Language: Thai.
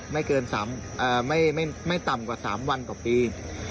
ไม่ต่ำกว่าสามวันต่อปี